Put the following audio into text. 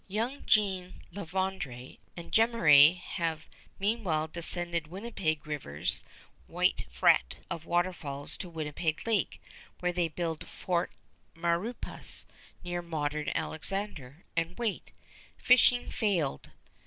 Young Jean La Vérendrye and Jemmeraie have meanwhile descended Winnipeg River's white fret of waterfalls to Winnipeg Lake, where they build Fort Maurepas, near modern Alexander, and wait. Fishing failed.